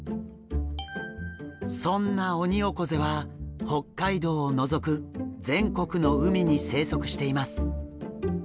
そんなオニオコゼは北海道を除く全国の海に生息しています。